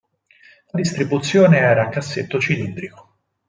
La distribuzione era a cassetto cilindrico.